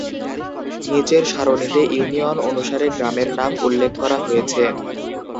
নিচের সারণীতে ইউনিয়ন অনুসারে গ্রামের নাম উল্লেখ করা হয়েছে।